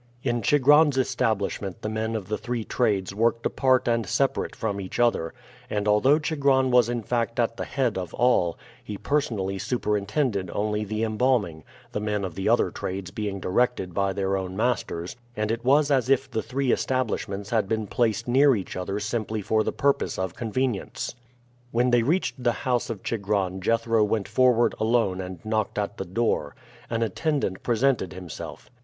In Chigron's establishment the men of the three trades worked apart and separate from each other; and although Chigron was in fact at the head of all, he personally superintended only the embalming, the men of the other trades being directed by their own masters, and it was as if the three establishments had been placed near each other simply for the purpose of convenience. When they reached the house of Chigron Jethro went forward alone and knocked at the door. An attendant presented himself.